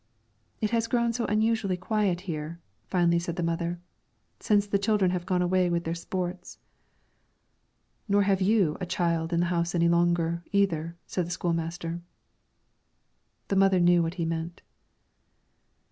"It has grown so unusually quiet here," finally said the mother, "since the children have gone away with their sports." "Nor have you a child in the house any longer, either," said the school master. The mother knew what he meant.